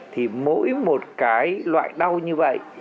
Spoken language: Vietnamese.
thì mỗi một cái loại đau như vậy